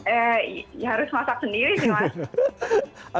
eh ya harus masak sendiri sih mas